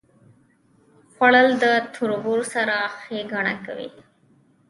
خوړل د تربور سره ښېګڼه کوي